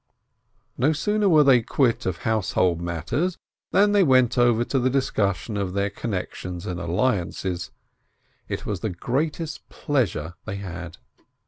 No sooner were they quit of household matters than they went over to the discussion of their connections and alliances — it was the greatest pleasure they had.